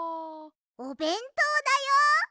おべんとうだよ！